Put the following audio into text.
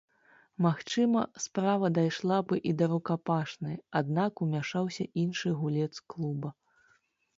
Магчыма, справа дайшла бы і да рукапашнай, аднак умяшаўся іншы гулец клуба.